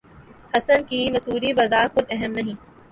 حسن کی مصوری بذات خود اہم نہیں